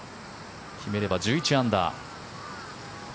決めれば１１アンダー。